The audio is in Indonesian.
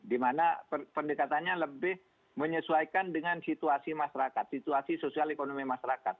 dimana pendekatannya lebih menyesuaikan dengan situasi masyarakat situasi sosial ekonomi masyarakat